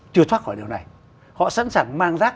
chưa thoát khỏi điều này họ sẵn sàng mang rác